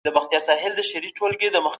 ايا ښه اخلاق مهم دي؟